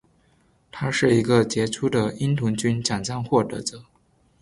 他是一个杰出的鹰童军奖章获得者。